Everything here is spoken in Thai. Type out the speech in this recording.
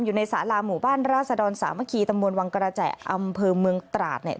อยู่ในสาลาหมู่บ้านราชดรสามัคคีตำบลวังกระแจอำเภอเมืองตราดเนี่ย